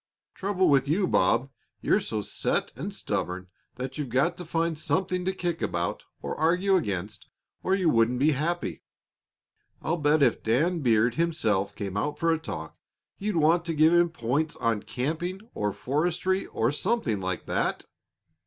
Trouble with you, Bob, you're so set and stubborn that you've got to find something to kick about or argue against or you wouldn't be happy. I'll bet if Dan Beard himself came out for a talk, you'd want to give him points on camping, or forestry, or something like that."